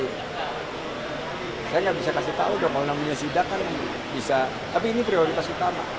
jadi saya tidak bisa kasih tahu kalau namanya sidak kan bisa tapi ini prioritas utama